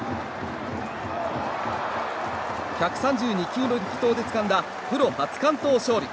１３２球の力投でつかんだプロ初完投勝利。